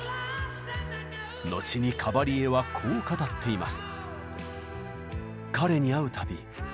後にカバリエはこう語っています。